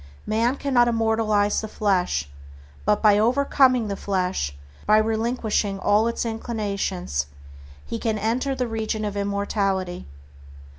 Man cannot immortalize the flesh, but, by overcoming the flesh, by relinquishing all its inclinations, he can enter the region of immortality.